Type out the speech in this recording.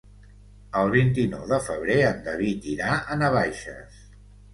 El vint-i-nou de febrer en David irà a Navaixes.